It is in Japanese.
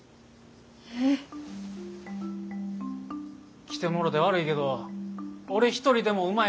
えっ？来てもろうて悪いけど俺一人でもうまいもんは作れる。